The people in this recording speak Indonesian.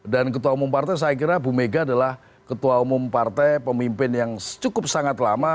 dan ketua umum partai saya kira bu mega adalah ketua umum partai pemimpin yang cukup sangat lama